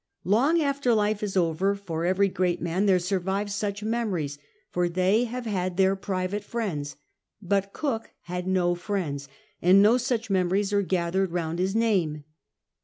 Long 36 CAPTAIN COOK onAP. after life is over for every great man there survive such memories, for they have had their private friends : hut Cook had no friends, and no such memories are gathered round his mime.